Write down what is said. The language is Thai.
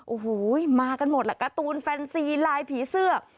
โอ้โหมากันหมดล่ะการ์ตูนแฟนซีลายผีเสื้อ